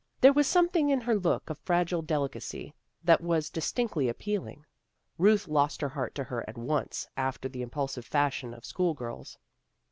There was something in her look of fragile delicacy that was distinctly appealing. Ruth lost her heart to her at once, after the impulsive fashion of school girls.